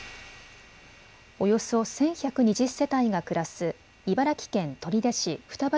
およそ１１２０世帯が暮らす茨城県取手市双葉